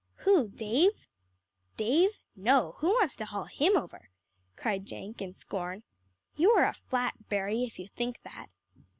"Who Dave?" "Dave? No. Who wants to haul him over?" cried Jenk in scorn. "You are a flat, Berry, if you think that."